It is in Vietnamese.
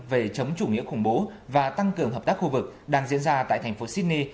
về chống chủ nghĩa khủng bố và tăng cường hợp tác khu vực đang diễn ra tại thành phố sydney